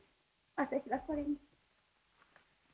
私はこれにて。